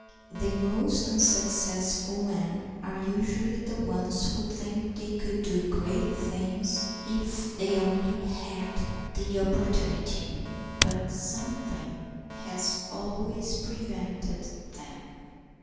The most unsuccessful men are usually the ones who think they could do great things if they only had the opportunity. But something has always prevented them.